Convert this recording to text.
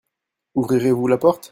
Ouvrirez-vous la porte ?